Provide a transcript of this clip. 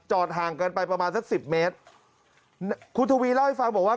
ห่างกันไปประมาณสักสิบเมตรคุณทวีเล่าให้ฟังบอกว่า